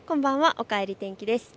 おかえり天気です。